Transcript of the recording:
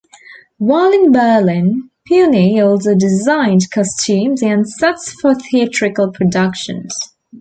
While in Berlin, Puni also designed costumes and sets for theatrical productions.